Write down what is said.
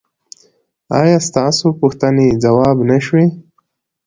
ایا ستاسو پوښتنې ځواب نه شوې؟